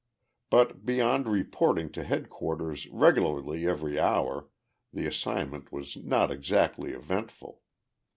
But, beyond reporting to headquarters regularly every hour, the assignment was not exactly eventful.